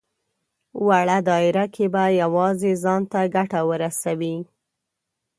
وړه دايره کې به يوازې ځان ته ګټه ورسوي.